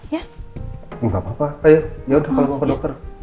gak apa apa ayo yaudah kalau mau ke dokter